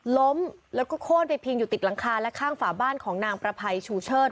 ล้มแล้วก็โค้นไปพิงอยู่ติดหลังคาและข้างฝาบ้านของนางประภัยชูเชิด